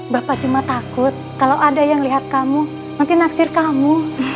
bapak cuma takut kalau ada yang lihat kamu nanti naksir kamu